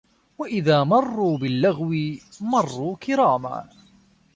وَإِذَا مَرُّوا بِاللَّغْوِ مَرُّوا كِرَامًا